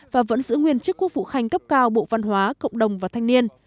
và vẫn giữ nguyên chức quốc vụ khanh cấp cao bộ văn hóa cộng đồng và thanh niên